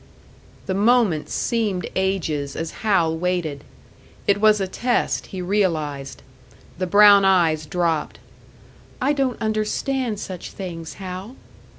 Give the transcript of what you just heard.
The moments seemed ages as Hal waited. It was a test, he realised. The brown eyes dropped. "I don't understand such things, Hal!"